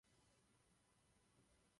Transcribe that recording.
Ta je rovněž nesmírně důležitá.